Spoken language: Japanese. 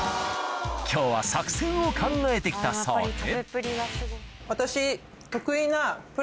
今日は作戦を考えて来たそうで私。